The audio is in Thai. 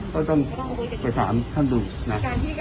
ก็ต้องไปถามท่านดูนะ